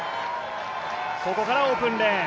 ここからオープンレーン。